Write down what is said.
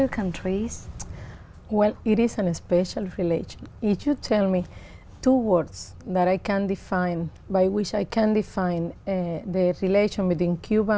chúng tôi sẽ có một số công việc ở đó